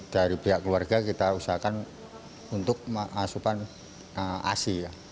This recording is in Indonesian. dari pihak keluarga kita usahakan untuk asupan ac